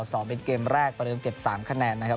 สองเป็นเกมแรกประเดิมเก็บ๓คะแนนนะครับ